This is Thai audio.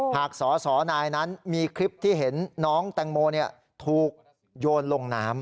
สอสอนายนั้นมีคลิปที่เห็นน้องแตงโมถูกโยนลงน้ำ